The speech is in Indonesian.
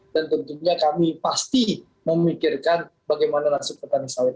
dan tentunya kami pasti memikirkan bagaimana nasib petani sawit